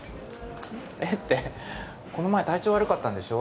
えってこの前体調悪かったんでしょ